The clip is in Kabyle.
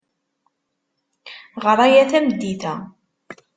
Ɣer aya tameddit-a.